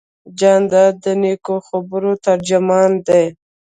جانداد د نیکو خبرو ترجمان دی.